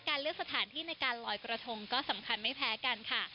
เลือกสถานที่ในการลอยกระทงก็สำคัญไม่แพ้กันค่ะ